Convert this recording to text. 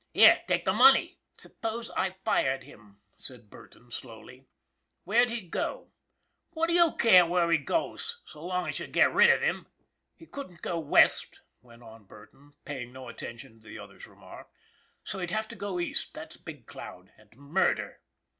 Here, take the money." " Suppose I fired him," said Burton, slowly, "where'd he go?" :( What do you care where he goes, so long as you get rid of him? "" He couldn't go West," went on Burton, paying no attention to the other's remark ;" so he'd have to go East that's Big Cloud and murder!